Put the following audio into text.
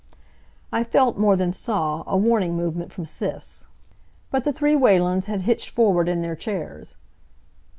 I felt, more than saw, a warning movement from Sis. But the three Whalens had hitched forward in their chairs.